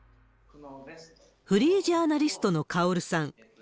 フリージャーナリストのカオルさん。